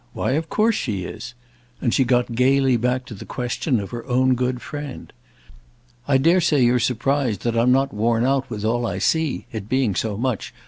Why of course she is!"—and she got gaily back to the question of her own good friend. "I dare say you're surprised that I'm not worn out with all I see—it being so much!